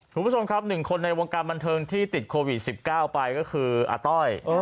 คุณผู้ชมครับ๑คนในวงการบันเทิงที่ติดโควิด๑๙ไปก็คืออาต้อย